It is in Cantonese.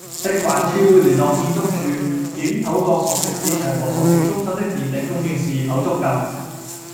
食環署會聯絡建築署，檢討各熟食市場和熟食中心的電力供應是否足夠